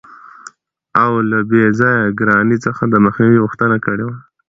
او له بې ځایه ګرانۍ څخه دمخنیوي غوښتنه کړې وه.